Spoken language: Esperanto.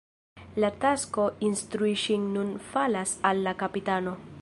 La tasko instrui ŝin nun falas al la kapitano.